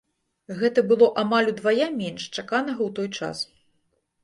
Гэта было амаль удвая менш чаканага ў той час.